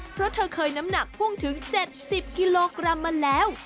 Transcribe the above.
เพราะเธอเคยน้ำหนักพุ่งถึง๗๐กิโลกรัมมาแล้ว